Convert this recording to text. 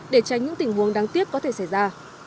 để tránh những tình huống đáng tiếc có thể xảy ra